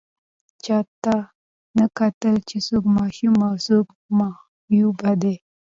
چا دې ته نه کتل چې څوک ماشوم او څوک معیوب دی